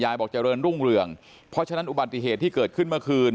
บอกเจริญรุ่งเรืองเพราะฉะนั้นอุบัติเหตุที่เกิดขึ้นเมื่อคืน